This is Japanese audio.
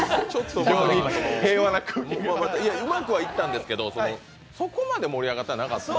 うまくはいったんですが、そこまで盛り上がってはなかった。